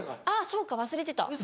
あぁそうか忘れてた。